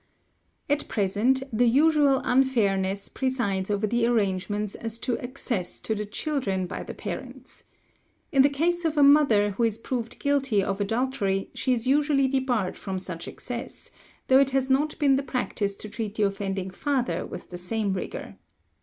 At present, the usual unfairness presides over the arrangements as to access to the children by the parents: "In the case of a mother who is proved guilty of adultery, she is usually debarred from such access, though it has not been the practice to treat the offending father with the same rigour" (Broom's "Comm.," vol. iii., p. 404).